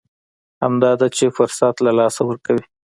همدا ده چې فرصت له لاسه ورکوي.